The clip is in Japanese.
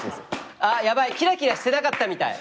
あっヤバいキラキラしてなかったみたい。